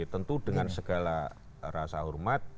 tentu dengan segala rasa hormat